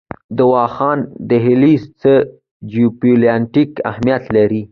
د واخان دهلیز څه جیوپولیټیک اهمیت لري؟